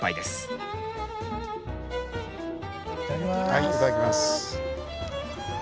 はいいただきます。